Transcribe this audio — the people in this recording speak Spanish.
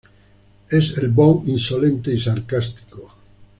Es el "Bond" insolente y sarcástico.